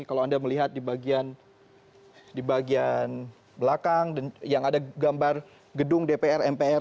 kalau anda melihat di bagian belakang yang ada gambar gedung dpr mpr